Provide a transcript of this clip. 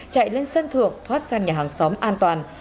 chạy lên sân thượng thoát sang nhà hàng xóm an toàn